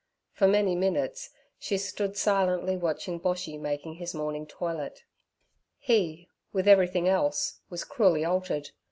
For many minutes she stood silently watching Boshy making his morning toilet. He, with everything else, was cruelly altered.